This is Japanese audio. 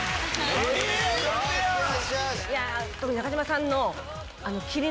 特に中島さんの。